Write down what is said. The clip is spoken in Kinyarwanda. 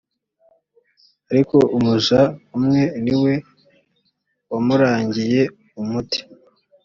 ariko umuja umwe niwe wamurangiye umuti